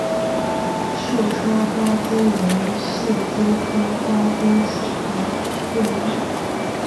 秀山花蛛为蟹蛛科花蛛属的动物。